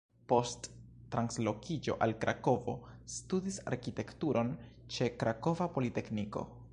Post translokiĝo al Krakovo studis arkitekturon ĉe Krakova Politekniko.